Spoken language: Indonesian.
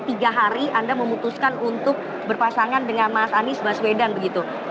tiga hari anda memutuskan untuk berpasangan dengan mas anies baswedan begitu